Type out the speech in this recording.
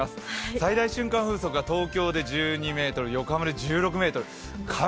最大瞬間風速が東京で１２メートル、横浜で１６メートル。